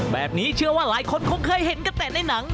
แบบนี้เชื่อว่าหลายคนเคยเห็นก็แต่ในหนัง